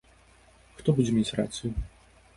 Хто будзе мець рацыю.